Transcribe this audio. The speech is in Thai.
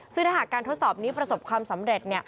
ซึ่งถ้าหากการทดสอบนี้ประสบความสำเร็จ